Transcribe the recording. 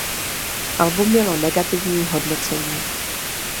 Album mělo negativní hodnocení.